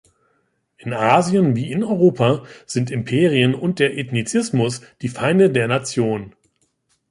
In Asien wie in Europa sind Imperien und der Ethnizismus die Feinde der Nation.